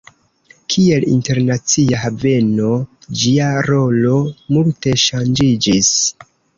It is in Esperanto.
Kiel internacia haveno, ĝia rolo multe ŝanĝiĝis.